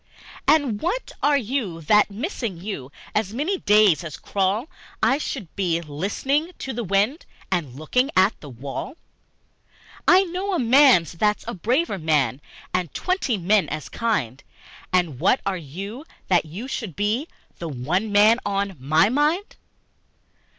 And what are you that, missing you, As many days as crawl I should be listening to the wind And looking at the wall? I know a man that's a braver man And twenty men as kind, And what are you, that you should be The one man on my mind?